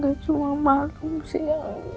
gak cuma malu sih